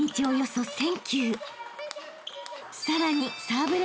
［さらに］